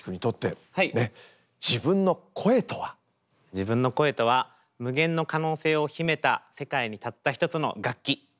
自分の声とは無限の可能性を秘めた世界にたった一つの楽器。